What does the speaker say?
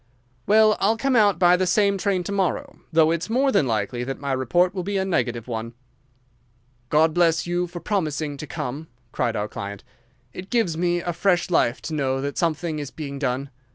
"Well, I'll come out by the same train to morrow, though it's more than likely that my report will be a negative one." "God bless you for promising to come," cried our client. "It gives me fresh life to know that something is being done.